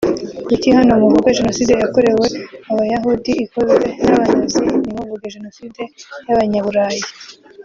" Kuki hano muvuga Jenoside yakorewe Abayahudi ikozwe n’Abanazi ntimuvuge Jenoside y’Abanyaburayi